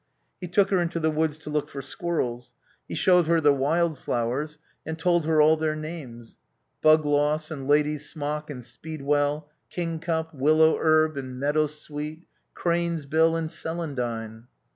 He took her into the woods to look for squirrels; he showed her the wildflowers and told her all their names: bugloss, and lady's smock and speedwell, king cup, willow herb and meadow sweet, crane's bill and celandine.